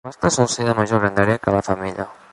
El mascle sol ser de major grandària que la femella.